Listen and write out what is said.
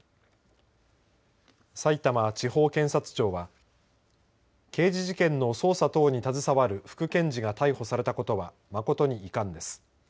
さいたま地方検察庁は刑事事件の捜査等に携わる副検事が逮捕されたことは誠に遺憾です。